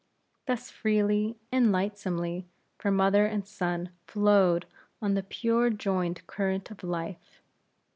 Thus freely and lightsomely for mother and son flowed on the pure joined current of life.